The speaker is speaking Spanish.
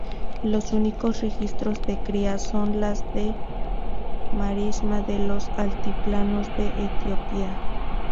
Los únicos registros de cría son de las marisma de los altiplanos de Etiopía.